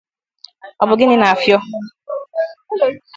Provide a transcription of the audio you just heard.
Ọ bụ gịnị na-afịọ